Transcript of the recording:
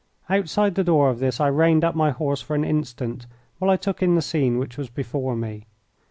Outside the door of this I reined up my horse for an instant while I took in the scene which was before me.